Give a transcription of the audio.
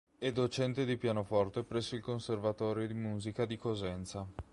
È docente di pianoforte presso il Conservatorio di Musica di Cosenza.